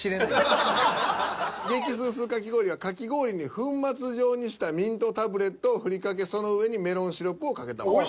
激スースーかき氷はかき氷に粉末状にしたミントタブレットを振りかけその上にメロンシロップをかけたもの。